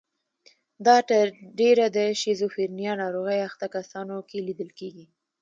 دا تر ډېره د شیزوفرنیا ناروغۍ اخته کسانو کې لیدل کیږي.